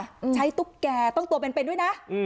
ใช้ตุ๊กแกต้องตัวเป็นด้วยนะ